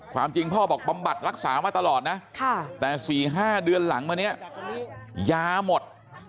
ความจริงพ่อบอกบำบัดรักษามาตลอดนะแต่๔๕เดือนหลังมาเนี่ยยาหมด